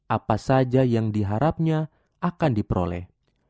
apa saja yang diharapnya akan diperoleh